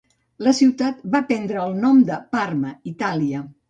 La ciutat va prendre el nom de Parma, Itàlia,